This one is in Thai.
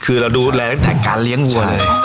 คือเราดูแลตั้งแต่การเลี้ยงวัวเลย